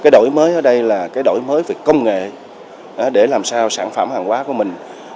đổi mới ở đây là đổi mới về công nghệ để làm sao sản phẩm hàng hóa của mình